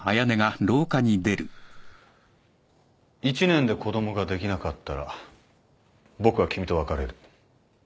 １年で子供ができなかったら僕は君と別れる。